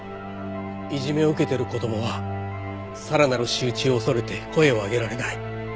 いじめを受けてる子供はさらなる仕打ちを恐れて声を上げられない。